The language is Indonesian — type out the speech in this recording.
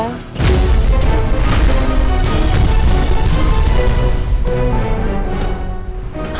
kaka siti meninggal